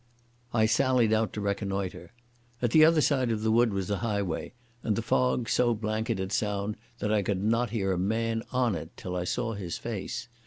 I sallied out to reconnoitre. At the other side of the wood was a highway, and the fog so blanketed sound that I could not hear a man on it till I saw his face.